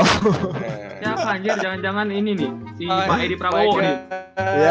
siapa anjir jangan jangan ini nih si pak edi prawowo nih